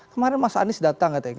kemarin mas anies datang katanya